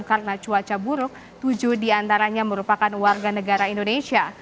karena cuaca buruk tujuh diantaranya merupakan warga negara indonesia